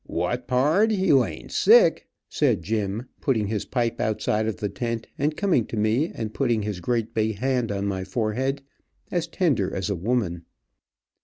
"What, pard, you ain't sick," said Jim, putting his pipe outside of the tent, and coming to me and putting his great big hand on my forehead, as tender as a woman.